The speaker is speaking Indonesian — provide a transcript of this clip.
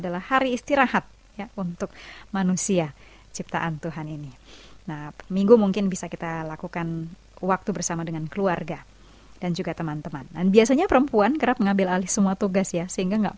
lalu imanmu makin bertumbuh